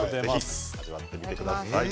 味わってみてください。